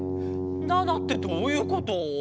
７ってどういうこと？